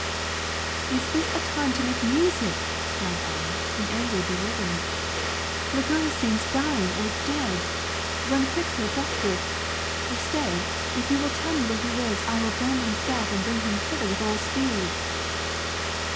"Is this a time to make music?" cried I, in angry bewilderment. "The girl seems dying or dead. Run quick for a doctor or stay, if you will tell me where he lives I will go myself and bring him hither with all speed."